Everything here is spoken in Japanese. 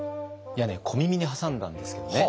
いやね小耳に挟んだんですけどね